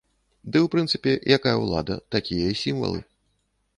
Ды ў прынцыпе, якая ўлада, такія і сімвалы.